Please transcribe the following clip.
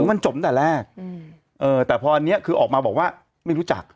มันจบตั้งแต่แรกแต่พออันนี้คือออกมาบอกว่าไม่รู้จัก